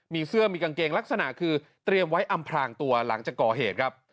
มีเสื้อมีกางเกงลักษณะคือเตรียมไว้อำพลางตัวหลังจากก่อเหตุครับ